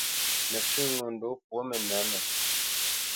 Nǝfʉ́ ŋo ndǒ pwo mǝnǝ̌tnǝ.